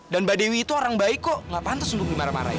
dan mbak dewi itu orang baik kok nggak pantas untuk dimarah marahin